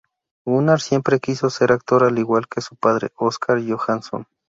Gunnar siempre quiso ser actor al igual que su padre, Oscar Johanson.